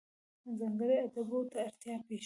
ځانګړو آدابو ته اړتیا پېښېږي.